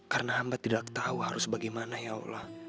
karena hamba tidak tahu harus bagaimana ya allah